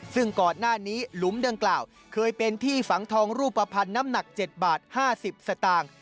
ซึ่งก่อนหน้านี้หลุมเดิมกล่าวเคยเป็นที่ฝังทองรูปพันธุ์น้ำหนักเจ็ดบาทห้าสิบสตางค์